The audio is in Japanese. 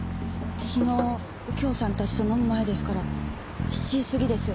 昨日右京さんたちと飲む前ですから７時過ぎです。